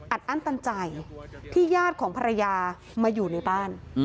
อั้นตันใจที่ญาติของภรรยามาอยู่ในบ้าน